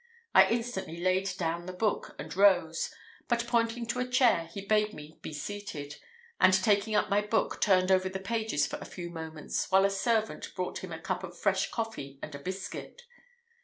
I instantly laid down the book and rose; but, pointing to a chair, he bade me be seated, and taking up my book, turned over the pages for a few moments, while a servant brought him a cup of fresh coffee and a biscuit.